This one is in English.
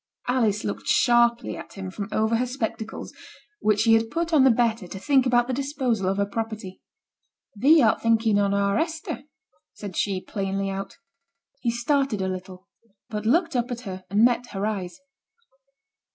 Alice looked sharply at him from over her spectacles, which she had put on the better to think about the disposal of her property. 'Thee art thinking on our Hester,' said she, plainly out. He started a little, but looked up at her and met her eyes.